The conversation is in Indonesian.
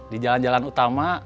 di jalan jalan utama